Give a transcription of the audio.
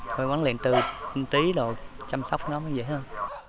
phải quấn luyện từ tí rồi chăm sóc nó mới dễ hơn